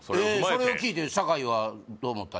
それを聞いて酒井はどう思った？